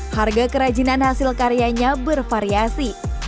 harga kerajinan hasil karyanya bervariasi